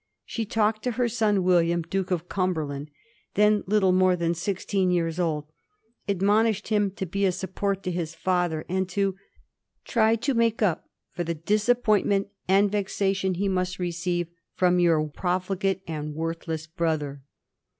She talked to her son William, Duke of Cumberland,, then lit tle more than sixteen years old, admonished him to be a support to his father, and to " try to make up for the disappointment and vexation he must receive from your 1737. A FATAL MISTAKE. HO profligate and worthless brother."